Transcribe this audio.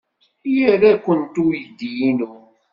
Ira-kent uydi-inu.